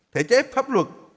thể chế pháp luật